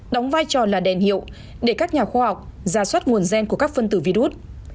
đóng vai trò là đèn hiệu để các nhà khoa học giả soát nguồn gen của các phân tử virus